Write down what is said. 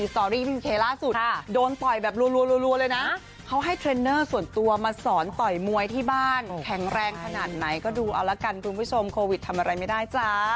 ตอรี่พิมเคล่าสุดโดนต่อยแบบรัวเลยนะเขาให้เทรนเนอร์ส่วนตัวมาสอนต่อยมวยที่บ้านแข็งแรงขนาดไหนก็ดูเอาละกันคุณผู้ชมโควิดทำอะไรไม่ได้จ้า